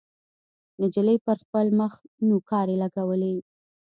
نجلۍ پر خپل مخ نوکارې لګولې.